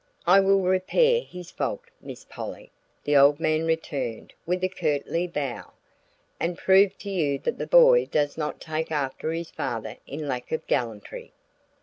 "I will repair his fault, Miss Polly," the old man returned with a courtly bow, "and prove to you that the boy does not take after his father in lack of gallantry."